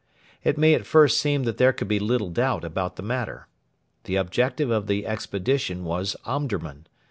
It may at first seem that there could be little doubt about the matter. The objective of the expedition was Omdurman.